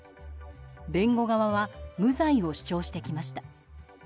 弁護側は無罪を主張してきました。